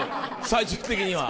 最終的には。